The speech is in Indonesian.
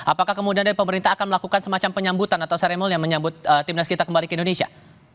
apakah kemudian dari pemerintah akan melakukan semacam penyambutan atau seremon yang menyambut timnas kita kembali ke indonesia